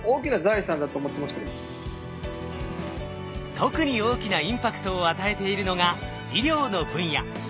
特に大きなインパクトを与えているのが医療の分野。